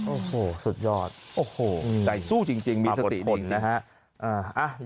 โอ้โหสุดยอดโอ้โหใจสู้จริงมีสติทนนะฮะ